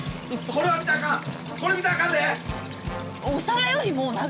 これ見たらあかんで！